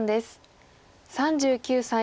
３９歳。